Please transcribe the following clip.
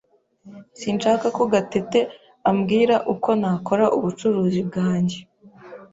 Sinshaka ko Gatete ambwira uko nakora ubucuruzi bwanjye.